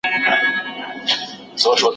کرني پوهنځۍ په چټکۍ نه ارزول کیږي.